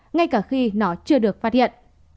ngay cả khi nó chưa được phát hiện